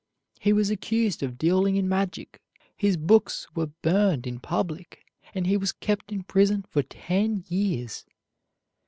He was accused of dealing in magic, his books were burned in public, and he was kept in prison for ten years.